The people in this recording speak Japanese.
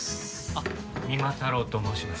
あっ三馬太郎と申します。